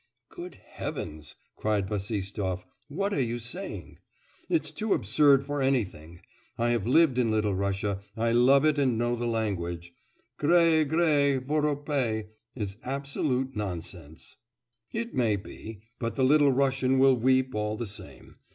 'Good heavens!' cried Bassistoff. 'What are you saying? It's too absurd for anything. I have lived in Little Russia, I love it and know the language... "grae, grae, voropae" is absolute nonsense.' 'It may be, but the Little Russian will weep all the same.